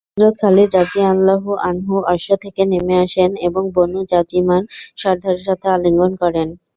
হযরত Khalid রাযিয়াল্লাহু আনহু অশ্বথেকে নেমে আসেন এবং বনু যাজিমার সর্দারের সাথে আলিঙ্গন করেন।